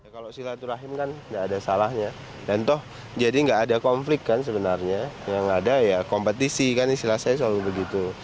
kalau silaturahim kan nggak ada salahnya dan toh jadi nggak ada konflik kan sebenarnya yang ada ya kompetisi kan istilah saya selalu begitu